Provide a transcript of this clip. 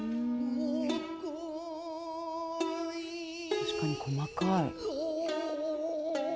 確かに細かい。